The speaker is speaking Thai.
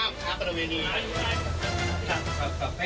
เพราะว่ามีผู้ต้องนะฮะที่อายุต่างหรือต่างสิบสักปี